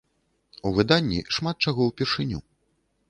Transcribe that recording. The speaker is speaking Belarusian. У выданні шмат чаго ўпершыню.